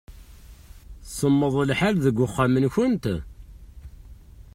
Semmeḍ lḥal deg uxxam-nkent?